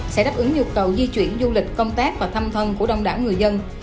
sẽ đáp ứng nhu cầu di chuyển du lịch công tác và thăm thân của đông đảo người dân